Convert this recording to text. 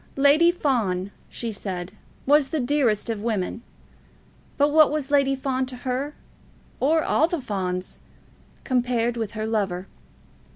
Lady Fawn, she said, was the dearest of women; but what was Lady Fawn to her, or all the Fawns, compared with her lover?